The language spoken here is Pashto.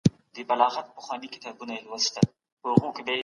لس لسم عدد دئ.